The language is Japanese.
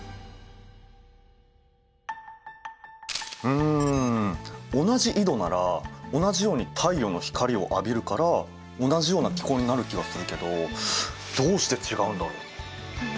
うん同じ緯度なら同じように太陽の光を浴びるから同じような気候になる気がするけどどうして違うんだろう？